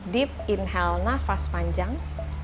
deep inhale nafas panjang